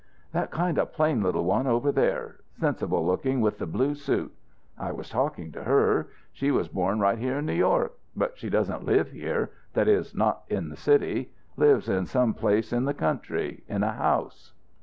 "That kind of plain little one over there sensible looking, with the blue suit. I was talking to her. She was born right here in New York, but she doesn't live here that is, not in the city. Lives in some place in the country, in a house."